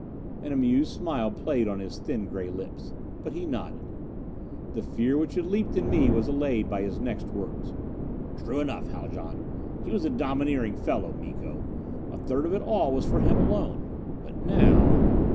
An amused smile played on his thin gray lips. But he nodded. The fear which had leaped in me was allayed by his next words. "True enough, Haljan. He was a domineering fellow, Miko. A third of it all was for him alone. But now...."